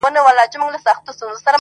• ازموینه کي د عشق برابر راغله,